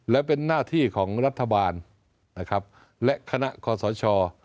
และเป็นหน้าที่ของรัฐบาลนะครับและคณะคอสช